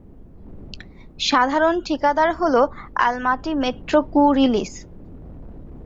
সাধারণ ঠিকাদার হল আলমাটিমেট্রোকুরিলিস।